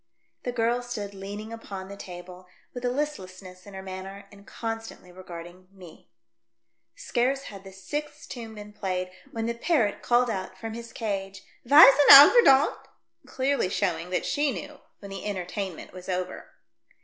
The girl stood leaning upon the table, with a listlessness in her manner and constantly regarding me. Scarce had the sixth tune been played when the parrot called out from his cage, "Mb 3B» al liJerdomD!" clearly showing that she knew when the entertainment was over.